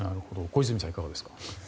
小泉さん、いかがですか。